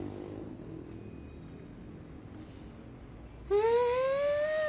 うん。